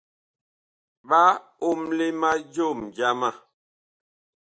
Ɓa omle ma jom jama.